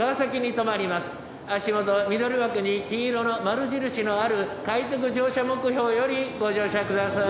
足元緑枠に黄色の丸印のある快特乗車目標よりご乗車下さい」。